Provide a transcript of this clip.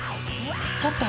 ちょっと！